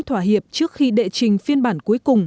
thỏa hiệp trước khi đệ trình phiên bản cuối cùng